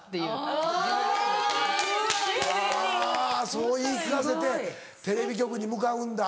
そう言い聞かせてテレビ局に向かうんだ。